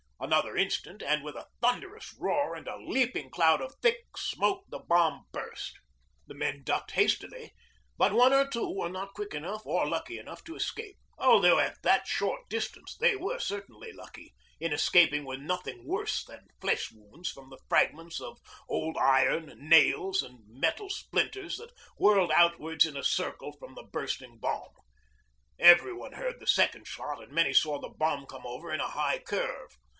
Another instant and with a thunderous roar and a leaping cloud of thick smoke the bomb burst. The men ducked hastily, but one or two were not quick enough or lucky enough to escape, although at that short distance they were certainly lucky in escaping with nothing worse than flesh wounds from the fragments of old iron, nails and metal splinters that whirled outwards in a circle from the bursting bomb. Everyone heard the second shot and many saw the bomb come over in a high curve.